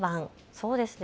そうですね。